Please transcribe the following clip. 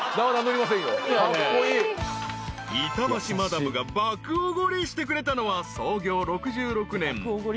［板橋マダムが爆おごりしてくれたのは］